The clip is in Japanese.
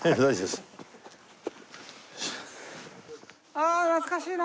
ああ懐かしいな。